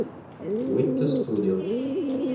Wit Studio